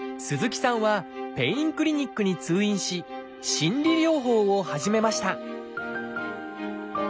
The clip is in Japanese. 鈴木さんはペインクリニックに通院し「心理療法」を始めました